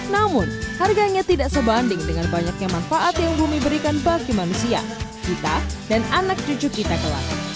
namun harganya tidak sebanding dengan banyaknya manfaat yang bumi berikan bagi manusia kita dan anak cucu kita kelak